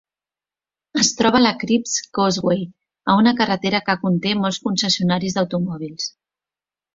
Es troba a la Cribbs Causeway, a una carretera que conté molts concessionaris d'automòbils.